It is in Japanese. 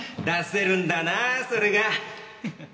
出せるんだなあそれが。